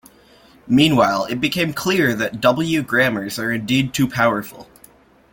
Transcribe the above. Meanwhile, it became clear that W-grammars are indeed too powerful.